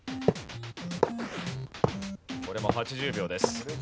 これも８０秒です。